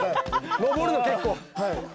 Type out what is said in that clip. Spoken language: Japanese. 上るの結構。